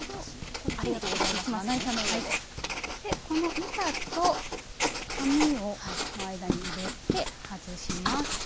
でこの板と紙の間に入れて外します。